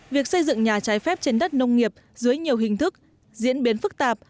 việc xây dựng nhà trái phép trên đất nông nghiệp dưới nhiều hình thức diễn biến phức tạp